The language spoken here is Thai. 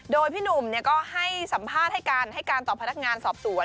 โดยพี่หนุ่มก็ให้สัมภาษณ์ให้การให้การต่อพนักงานสอบสวน